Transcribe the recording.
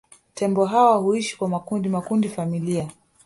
Tembo hawa huishi kwa makundi makundi familia